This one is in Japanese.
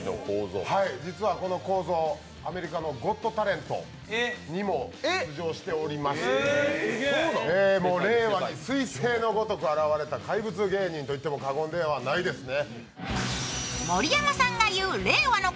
実はこのこーぞー、アメリカの「ゴット・タレント」にも出場しておりまして令和にすい星のごとく現れた怪物芸人と言っても過言ではないですね。